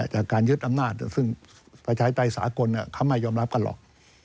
จากการยึดอำนาจซึ่งประชาธิปไตยสากลเขาไม่ยอมรับกันหรอก